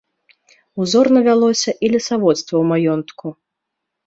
Узорна вялося і лесаводства ў маёнтку.